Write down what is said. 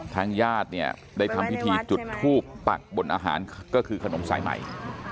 ญาติเนี่ยได้ทำพิธีจุดทูปปักบนอาหารก็คือขนมสายใหม่